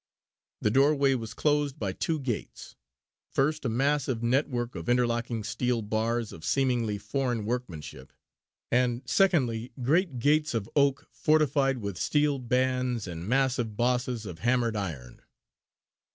The doorway was closed by two gates; first a massive network of interlocking steel bars of seemingly foreign workmanship, and secondly great gates of oak fortified with steel bands and massive bosses of hammered iron.